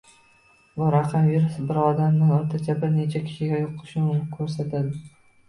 Bu raqam virus bir odamdan o'rtacha bir necha kishiga yuqishini ko'rsatadi